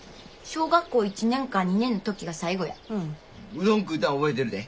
うどん食うたの覚えてるで。